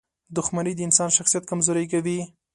• دښمني د انسان شخصیت کمزوری کوي.